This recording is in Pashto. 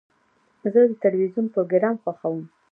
زه د تلویزیون پروګرام خوښوم.